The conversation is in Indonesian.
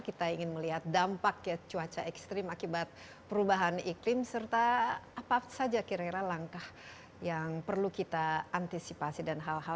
kita ingin melihat dampak ya cuaca ekstrim akibat perubahan iklim serta apa saja kira kira langkah yang perlu kita antisipasi dan hal hal